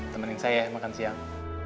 temenin saya makan siang